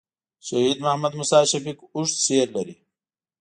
شهید محمد موسي شفیق اوږد شعر لري.